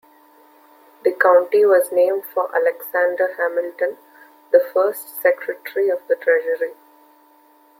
The county was named for Alexander Hamilton, the first Secretary of the Treasury.